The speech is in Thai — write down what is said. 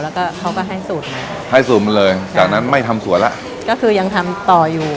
แล้วก็เขาก็ให้สูตรมาให้สูตรมันเลยจากนั้นไม่ทำสวนแล้วก็คือยังทำต่ออยู่